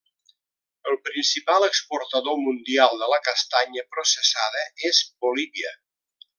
El principal exportador mundial de la castanya processada és Bolívia.